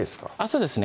そうですね